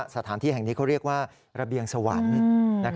สถานที่แห่งนี้เขาเรียกว่าระเบียงสวรรค์